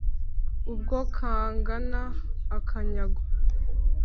ubwo kangana akanyago